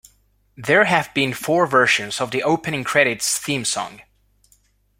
There have been four versions of the opening credits theme song.